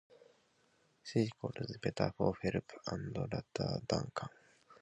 She calls Peter for help, and later Duncan.